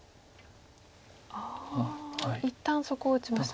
ああ一旦そこを打ちました。